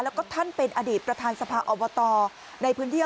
แล้วก็ท่านเป็นอดีตประธานสภาอบตในพื้นที่